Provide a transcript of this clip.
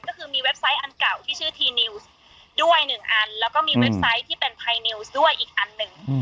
ก็คือมีเว็บไซต์อันเก่าที่ชื่อทีนิวส์ด้วยหนึ่งอันแล้วก็มีเว็บไซต์ที่เป็นไพนิวส์ด้วยอีกอันหนึ่ง